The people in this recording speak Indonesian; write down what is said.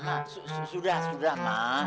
ma ma sudah sudah ma